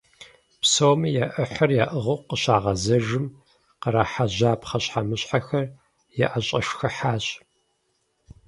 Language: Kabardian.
Псоми я Ӏыхьэр яӀыгъыу къыщагъэзэжым, кърахьэжьа пхъэщхьэмыщхьэхэр яӀэщӀэшхыхьащ.